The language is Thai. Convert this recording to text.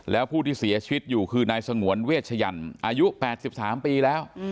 แล้วผู้ที่เสียชีวิตอยู่คือนายสงวนเวชยันอายุ๘๓ปีแล้ว